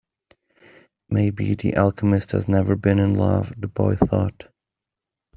Maybe the alchemist has never been in love, the boy thought.